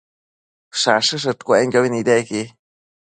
Shachëshëdcuenobi nidequi